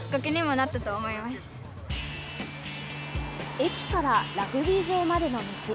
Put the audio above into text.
駅からラグビー場までの道。